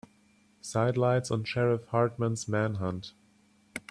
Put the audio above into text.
Sidelights on Sheriff Hartman's manhunt.